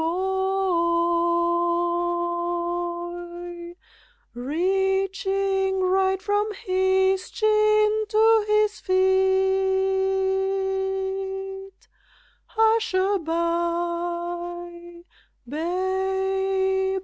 Reaching right from his chin to his feet, Hush a bye, baby boy!